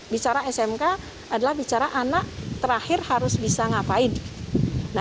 bicara smk adalah bicara anak terakhir harus bisa ngapain